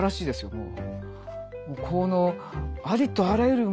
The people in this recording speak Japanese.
もう。